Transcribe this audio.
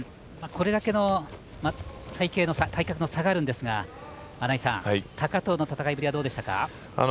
これだけの体格の差があるんですが高藤の戦いぶりはどうでしたか。